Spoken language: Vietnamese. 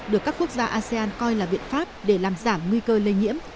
được các quốc gia asean coi là biện pháp để làm giảm nguy cơ lây nhiễm